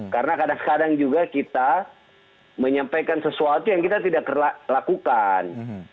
karena kadang kadang juga kita menyampaikan sesuatu yang kita tidak lakukan